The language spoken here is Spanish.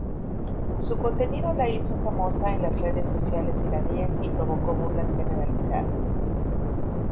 Su contenido la hizo famosa en las redes sociales iraníes y provocó burlas generalizadas.